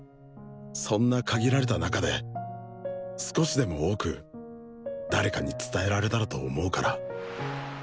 そんな限られた中で少しでも多く誰かに伝えられたらと思うから。